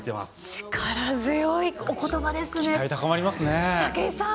力強いおことばですね。